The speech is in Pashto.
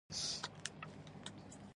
دا پرسونل ته د منظورۍ وروسته ورکول کیږي.